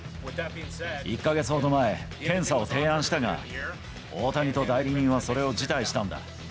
１か月ほど前、検査を提案したが、大谷と代理人は、それを辞退したんだ。